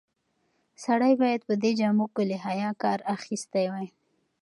سړی باید په دې جامو کې له حیا کار اخیستی وای.